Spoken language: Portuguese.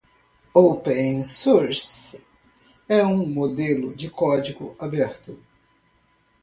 Open Source é um modelo de código aberto.